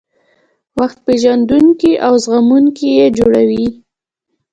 وخت پېژندونکي او زغموونکي یې جوړوي.